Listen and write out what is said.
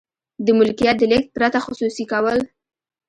د ملکیت د لیږد پرته خصوصي کول.